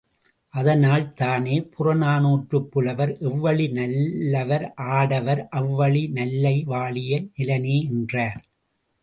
அதனால் தானே புறநானூற்றுப் புலவர் எவ்வழி நல்லவர் ஆடவர், அவ்வழி நல்லை வாழிய நிலனே என்றார்.